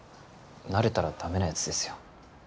慣れたらダメなやつですよ